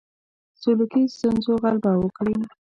سلوکي ستونزو غلبه وکړي.